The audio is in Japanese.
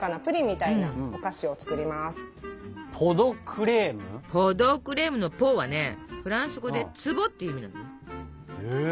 ポ・ド・クレームの「ポ」はねフランス語で「壺」っていう意味なのね。